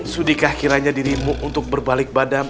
sudikah kiranya dirimu untuk berbalik badan